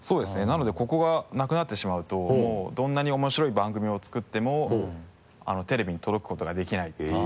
なのでここがなくなってしまうとどんなに面白い番組をつくってもテレビに届くことができないっていう。